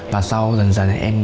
và sau dần dần em